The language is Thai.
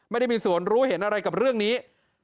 ไม่ได้มีส่วนรู้เห็นอะไรกับเรื่องนี้